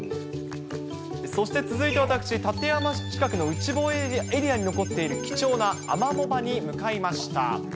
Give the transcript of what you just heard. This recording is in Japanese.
そして続いて私、館山市近くの内房エリアに残っている貴重なアマモ場に向かいました。